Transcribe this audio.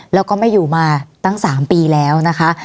แล้วก็ไม่อยู่มาตั้ง๓ปีแล้วนะคะ